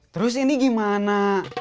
terus ini gimana